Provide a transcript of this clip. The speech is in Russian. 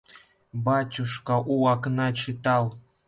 Батюшка у окна читал Придворный календарь, ежегодно им получаемый.